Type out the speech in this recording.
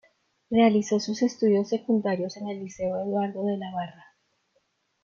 Realizó sus estudios secundarios en el Liceo Eduardo de la Barra.